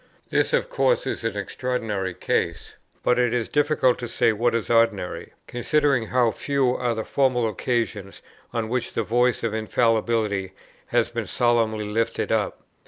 This of course is an extraordinary case; but it is difficult to say what is ordinary, considering how few are the formal occasions on which the voice of Infallibility has been solemnly lifted up.